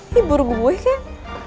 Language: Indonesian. hibur gue kek